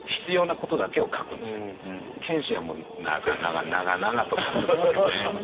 謙信はもう長々長々と書くんですよね。